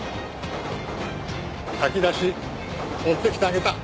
炊き出し持ってきてあげた。